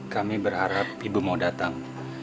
kami berharap ibu mau datang